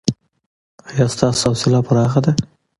ایا ستاسو حوصله پراخه ده؟